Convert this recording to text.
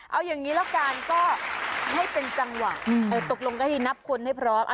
เอาอย่างนี้ละกันก็ให้เป็นจังหวะตกลงก็ให้นับคนให้พร้อม